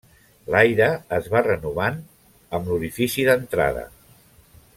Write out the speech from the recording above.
L'aire es va renovant amb l'orifici d'entrada.